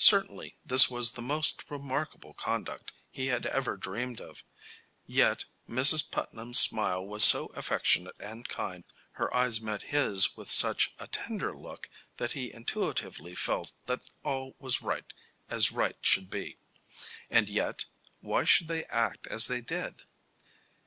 Certainly this was the most remarkable conduct he ever had dreamed of. Yet, Mrs. Putnam's smile was so affectionate and kind, her eyes met his with such a tender look that he intuitively felt that all was right as right should be. And yet why should they act as they did?